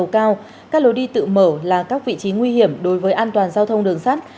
các lối đi tự mở là các vị trí nguy hiểm đối với an toàn giao thông đường sắt